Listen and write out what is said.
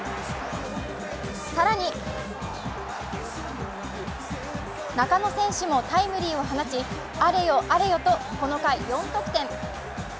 更に中野選手もタイムリーを放ちあれよあれよとこの回４得点。